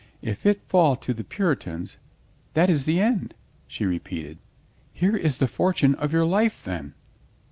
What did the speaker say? "If it fall to the Puritans — that is the end," she repeated. "Here is the fortune of your life, then."